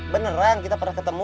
beneran kita pernah ketemu